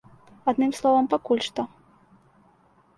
Адным словам, пакуль што.